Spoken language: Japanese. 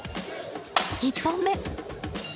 １本目。